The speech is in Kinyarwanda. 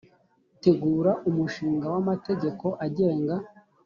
gutegura umushinga w amategeko agenga